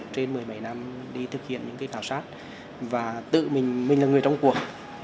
trên một mươi bảy năm đi thực hiện những cái khảo sát và tự mình là người trong cuộc